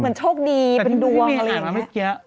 มันโชคดีเป็นดวงเลย